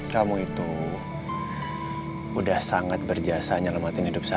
kamu itu udah sangat berjasa menyelamatkan hidup saya